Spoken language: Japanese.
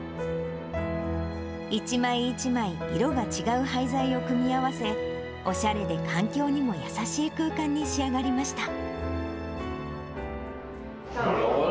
一枚一枚色が違う廃材を組み合わせ、おしゃれで環境にも優しい空間に仕上がりました。